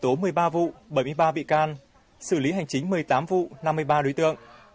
trong đó đã khởi tố một mươi ba vụ bảy mươi ba bị can xử lý hành chính một mươi tám vụ năm mươi ba đối tượng